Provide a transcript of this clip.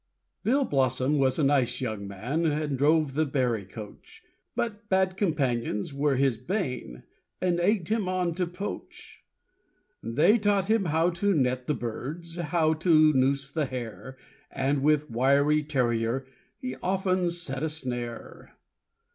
Bill Blossom was a nice young man, And drove the Bury coach; But bad companions were his bane, And egg'd him on to poach. They taught him how to net the birds, And how to noose the hare; And with a wiry terrier, He often set a snare.